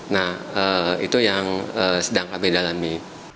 nah itu yang sedang kami dalami